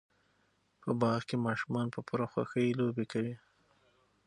په باغ کې ماشومان په پوره خوشحۍ لوبې کوي.